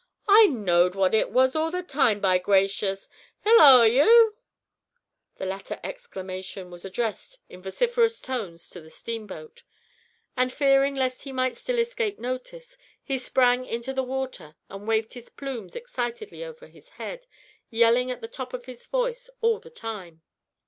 "I knowed what it was all the time, by gracious! Hilloa, you!" The latter exclamation was addressed in vociferous tones to the steamboat; and, fearing lest he might still escape notice, he sprang into the water and waved his plumes excitedly over his head, yelling at the top of his voice all the time.